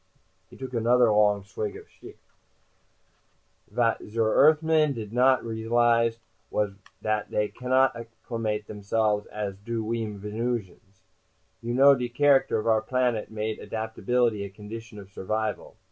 He took another long swig of shchikh. "Vat your Eart'men did not realize was dat dey cannot acclimate themselves as do we Venusians. You know de character of our planet made adaptability a condition of survival.